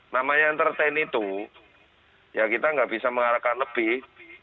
namanya entertain itu ya kita nggak bisa mengarahkan lebih